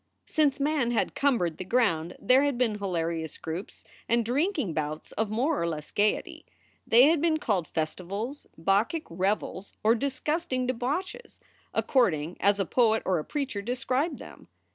Since man had cumbered the ground there had been hilarious groups and drinking bouts of more or less gayety. They had been called festivals, Bacchic revels, or disgusting debauches, according as a poet or a preacher described them.